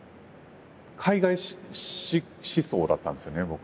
海外思想だったんですよね僕。